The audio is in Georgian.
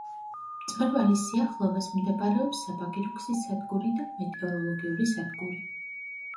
მწვერვალის სიახლოვეს მდებარეობს საბაგირო გზის სადგური და მეტეოროლოგიური სადგური.